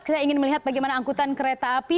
kita ingin melihat bagaimana angkutan kereta api